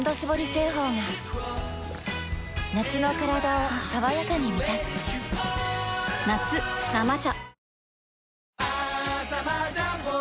製法が夏のカラダを爽やかに満たす夏「生茶」